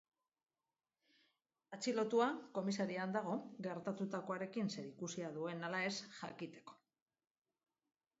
Atxilotua komisarian dago gertatutakoarekin zerikusia duen ala ez jakiteko.